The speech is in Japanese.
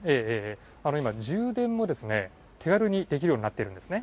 今、充電も手軽にできるようになっているんですね。